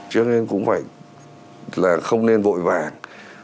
trước nên cũng phải là không nên vội vàng